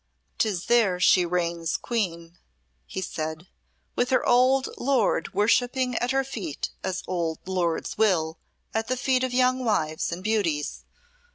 "'Tis there she reigns Queen," he said, "with her old lord worshipping at her feet as old lords will at the feet of young wives and beauties.